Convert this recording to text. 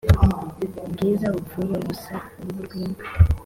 Bwiza bupfuye ubusa-Uruhu rw'imbwa.